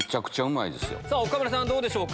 さあ、岡村さん、どうでしょうか。